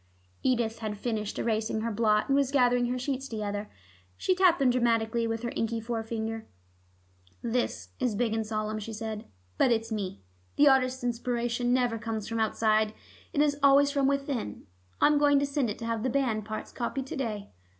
Edith had finished erasing her blot, and was gathering her sheets together. She tapped them dramatically with an inky forefinger. "This is big and solemn," she said. "But it's Me. The artist's inspiration never comes from outside: it is always from within. I'm going to send it to have the band parts copied to day."